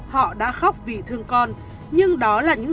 họ đã khóc vì thương con nhưng đó là những